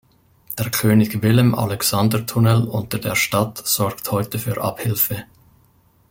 Der König-Willem-Alexander-Tunnel unter der Stadt sorgt heute für Abhilfe.